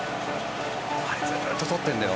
あれずっととってるんだよ